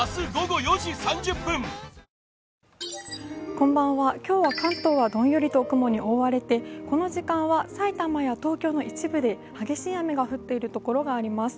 こんばんは、今日は関東はどんよりと雲に覆われてこの時間は埼玉や東京の一部で激しい雨が降っているところがあります。